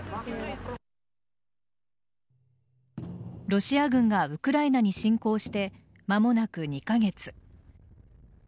ロシア軍がウクライナに侵攻して間もなく２カ月。